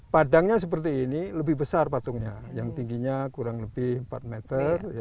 padangnya seperti ini lebih besar patungnya yang tingginya kurang lebih empat meter